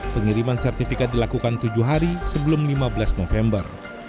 pengiriman sertifikat dilakukan tujuh hari sebelum lima belas november